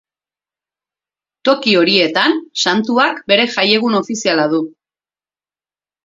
Toki horietan, santuak bere jaiegun ofiziala du.